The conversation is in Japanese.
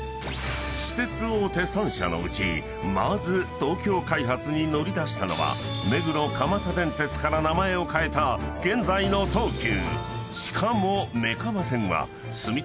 ［私鉄大手３社のうちまず東京開発に乗り出したのは目黒蒲田電鉄から名前を変えた現在の東急］